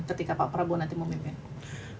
ketika pak prabowo nanti memimpin